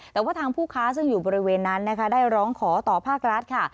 แต่ว่าทางผู้ค้าซึ่งอยู่บริเวณนั้นนะคะได้ร้องขอต่อภาครัฐค่ะ